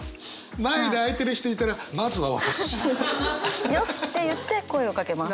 前で開いてる人がいたらよしって言って声をかけます。